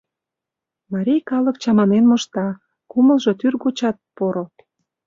Марий калык чаманен мошта, кумылжо тӱргочат поро.